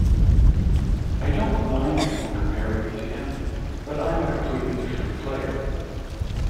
I don't mind people comparing me to him but I'm a completely different player.